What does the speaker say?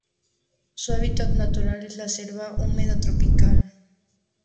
Su hábitat natural es la selva húmeda tropical.